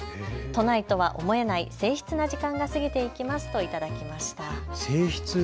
都内とは思えない静ひつな時間が過ぎていきますといただきました。